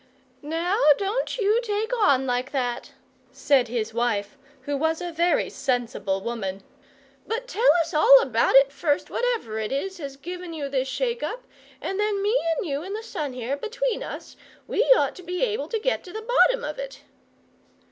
"Now don't you take on like that," said his wife, who was a VERY sensible woman: "but tell us all about it first, whatever it is as has given you this shake up, and then me and you and the son here, between us, we ought to be able to get to the bottom of it!"